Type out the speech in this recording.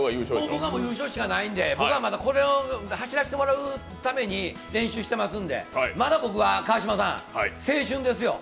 僕は優勝しかないんで、これを走らせてもらうために練習してますんで、僕はまだ青春ですよ。